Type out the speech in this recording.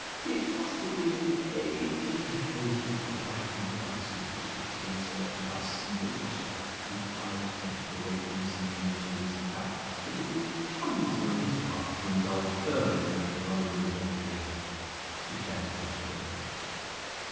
"It must have been in eighteen " Rose Euclid abandoned the ice with which she had just been served, and by a single gesture drew Carlo's attention away from the ceiling and towards the fact that it would be clumsy on his part to indulge further in the chronology of her career. She began to blush again.